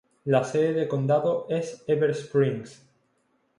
La sede de condado es Heber Springs.